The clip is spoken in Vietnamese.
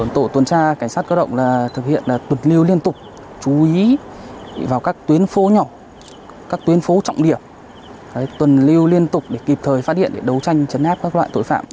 tổ tuần tra cảnh sát cơ động thực hiện tuần lưu liên tục chú ý vào các tuyến phố nhỏ các tuyến phố trọng điểm tuần lưu liên tục để kịp thời phát điện để đấu tranh chấn áp các loại tội phạm